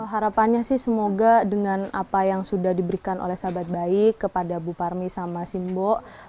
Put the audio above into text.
harapannya sih semoga dengan apa yang sudah diberikan oleh sahabat baik kepada bu parmi sama simbo